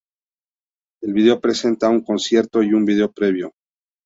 El video presenta un concierto y un video previo.